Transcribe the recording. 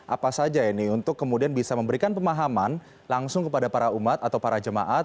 apa saja ini untuk kemudian bisa memberikan pemahaman langsung kepada para umat atau para jemaat